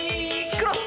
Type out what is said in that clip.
クロス。